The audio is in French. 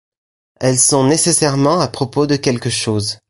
Elles sont nécessairement à propos de quelque chose.